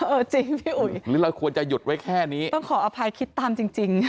เออจริงพี่อุ๋ยหรือเราควรจะหยุดไว้แค่นี้ต้องขออภัยคิดตามจริงจริง